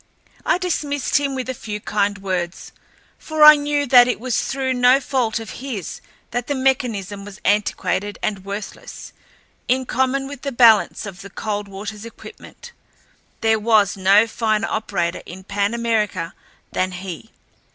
I dismissed him with a few kind words, for I knew that it was through no fault of his that the mechanism was antiquated and worthless, in common with the balance of the Coldwaterl's equipment. There was no finer operator in Pan America than he.